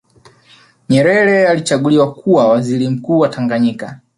Nyerere alichaguliwa kuwa waziri mkuu wa Tanganyika